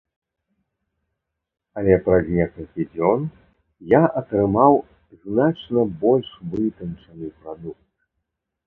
Але праз некалькі дзён я атрымаў значна больш вытанчаны прадукт.